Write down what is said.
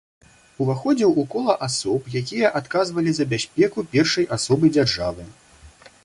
Уваходзіў у кола асоб, якія адказвалі за бяспеку першай асобы дзяржавы.